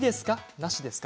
なしですか？